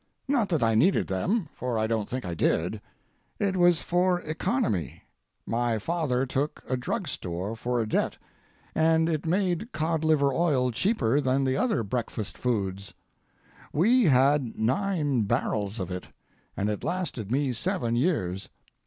Not that I needed them, for I don't think I did; it was for economy; my father took a drug store for a debt, and it made cod liver oil cheaper than the other breakfast foods. We had nine barrels of it, and it lasted me seven years.